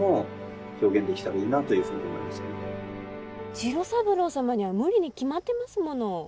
次郎三郎様には無理に決まってますもの。